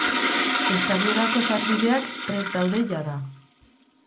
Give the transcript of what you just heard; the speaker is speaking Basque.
Estadiorako sarbideak prest daude jada.